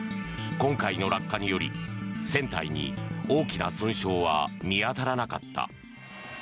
今回の落下により、船体に大きな損傷は見当たらなかった。